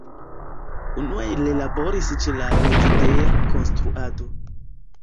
Unue li laboris ĉe la rezideja konstruado.